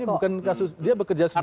ini bukan kasus dia bekerja sendiri